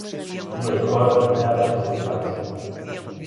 Non hai cor nin nada que se lle pareza.